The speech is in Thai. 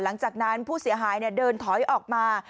หลังจากนั้นผู้เสียหายเดินถอยออกมา